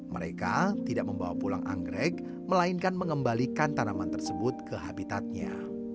mereka tidak membawa pulang anggrek melainkan mengembalikan tanaman tersebut ke habitatnya